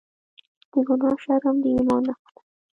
د ګناه شرم د ایمان نښه ده.